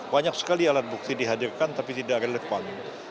banyak sekali alat bukti dihadirkan tapi tidak relevan